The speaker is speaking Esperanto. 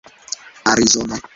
arizono